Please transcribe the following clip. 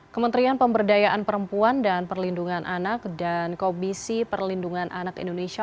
kementerian pemberdayaan perempuan dan perlindungan anak dan komisi perlindungan anak indonesia